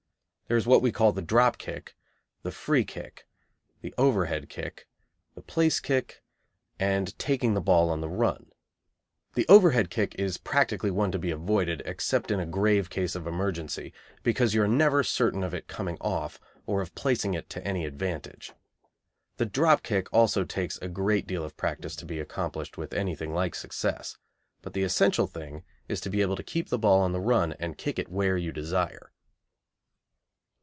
There is what we call the drop kick, the free kick, the overhead kick, the place kick, and taking the ball on the run. The overhead kick is practically one to be avoided, except in a grave case of emergency, because you are never certain of it coming off, or of placing it to any advantage. The drop kick also takes a great deal of practice to be accomplished with anything like success, but the essential thing is to be able to keep the ball on the run and kick it where you desire.